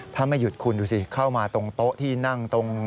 ถ้าไม่หยุดคุณดูสิเข้ามาตรงโต๊ะที่นั่งตรง